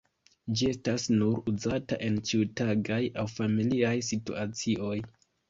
Ĝi estas nur uzata en ĉiutagaj aŭ familiaj situacioj.